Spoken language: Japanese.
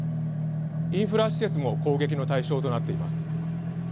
インフラ施設も攻撃の対象となっています。